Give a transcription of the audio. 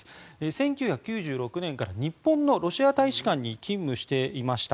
１９９６年から日本のロシア大使館に勤務していました。